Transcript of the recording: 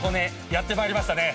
やってまいりましたね。